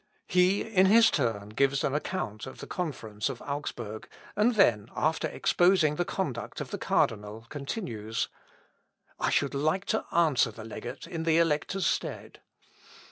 He, in his turn, gives an account of the conference of Augsburg, and then, after exposing the conduct of the cardinal continues: "I should like to answer the legate in the Elector's stead.